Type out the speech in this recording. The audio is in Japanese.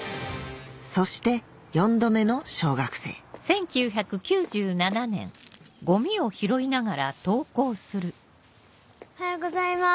そして４度目の小学生おはようございます。